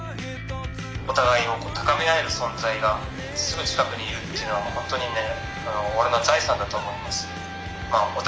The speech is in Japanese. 「お互いを高め合える存在がすぐ近くにいるというのはほんとにね俺の財産だと思います。